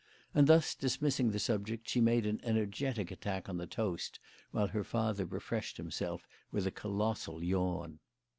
And thus dismissing the subject, she made an energetic attack on the toast while her father refreshed himself with a colossal yawn.